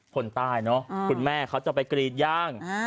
คนใต้เนอะคุณแม่เขาจะไปกรีดย่าง